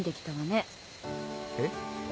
えっ？